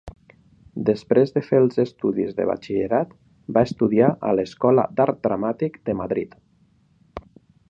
Després de fer els estudis de batxillerat, va estudiar a l'Escola d'Art Dramàtic de Madrid.